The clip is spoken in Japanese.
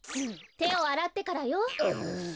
てをあらってからよ。